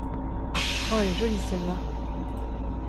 Roh elle est jolie, celle-là…